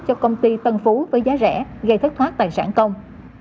cho công ty tân phú với giá rẻ gây thất thoát tài sản công